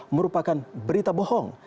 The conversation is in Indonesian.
merupakan berita bohong